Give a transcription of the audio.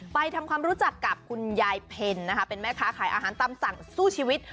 ไปทำความรู้จักกับคุณยายเพ็ญนะคะเป็นแม่ค้าขายอาหารตามสั่งสู้ชีวิต